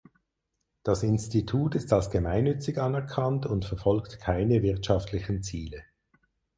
Das Institut ist als gemeinnützig anerkannt und verfolgt keine wirtschaftlichen Ziele.